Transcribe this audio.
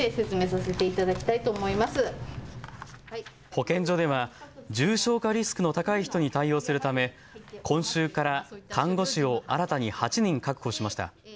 保健所では重症化リスクの高い人に対応するため今週から看護師を新たに８人確保しました。